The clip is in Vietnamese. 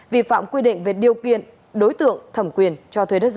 vi phạm quy định về điều kiện đối tượng thẩm quyền cho thuê đất giả